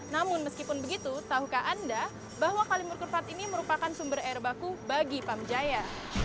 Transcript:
namun meskipun begitu tahukah anda bahwa kalimur kurvard ini merupakan sumber air baku bagi pamjaya